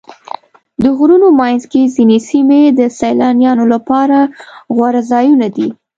د غرونو منځ کې ځینې سیمې د سیلانیانو لپاره غوره ځایونه دي.